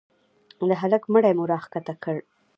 د هلك مړى مو راكښته كړ.